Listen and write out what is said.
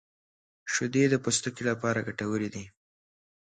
• شیدې د پوستکي لپاره ګټورې دي.